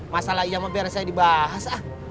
masalah iya sama beres aja dibahas